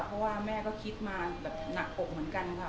เพราะว่าแม่ก็คิดมาแบบหนักอกเหมือนกันค่ะ